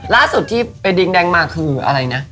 ล่าสุดที่ไปดิงแดงมาคืออะไรนะ